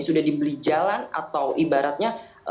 sudah dibeli jalan atau ibaratnya